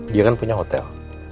dia kan punya hotel